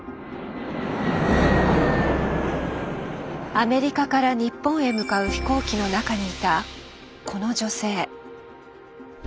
アメリカから日本へ向かう飛行機の中にいたこの女性。